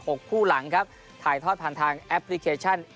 คู่หลังครับถ่ายทอดผ่านทางแอปพลิเคชัน